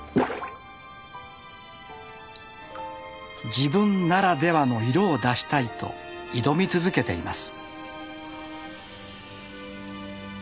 自分ならではの色を出したいと挑み続けています。